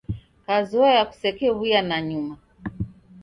Kazoya kusekew'uya nanyuma.